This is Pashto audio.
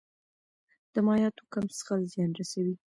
د مایعاتو کم څښل زیان رسوي.